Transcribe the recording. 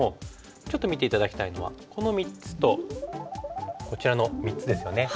ちょっと見て頂きたいのはこの３つとこちらの３つですよね。